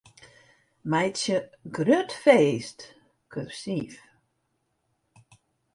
Meitsje 'grut feest' kursyf.